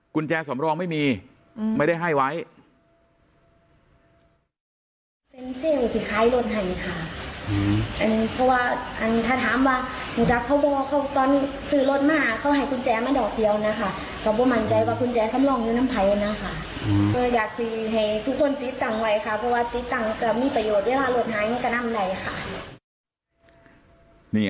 กุญแจสำรองไม่มีไม่ได้ให้ไว้